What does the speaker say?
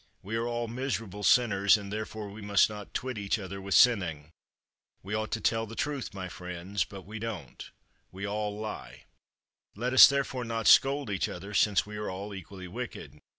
We are all miserable sinners, and therefore we must not twit each other with sinning. We ought to tell the truth, my friends. But we don't. We all lie. Let us therefore not scold each other, since we are all equally wicked.